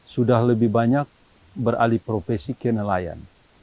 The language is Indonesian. sudah lebih banyak beralih profesi ke nelayan